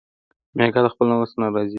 میکا د خپل نفس نه راضي دی.